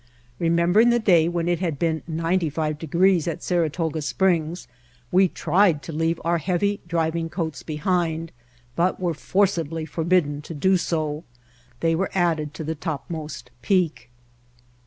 Remembering the day when it had been 95 degrees at Saratoga Springs we tried to leave our heavy driving coats behind, but were forci bly forbidden to do so. They were added to the topmost peak.